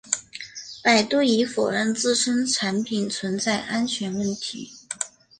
百度已否认自身产品存在安全问题。